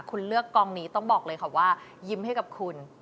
คุณเลือกกองนี้ต้องบอกเลยค่ะว่ายิ้มให้กับคุณ